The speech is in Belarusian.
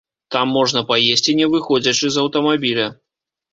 Там можна паесці не выходзячы з аўтамабіля.